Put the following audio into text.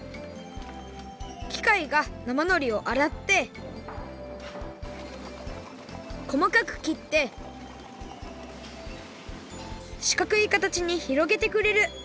きかいが生のりをあらってこまかくきってしかくいかたちにひろげてくれる。